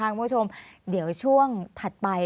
ความสูงที่เราตอยู่